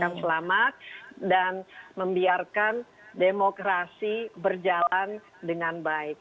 dan saya juga ingin memberikan selamat dan membiarkan demokrasi berjalan dengan baik